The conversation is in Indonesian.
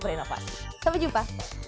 berinovasi sampai jumpa